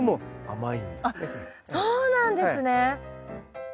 あっそうなんですね！